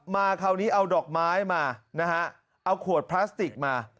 คราวนี้เอาดอกไม้มานะฮะเอาขวดพลาสติกมา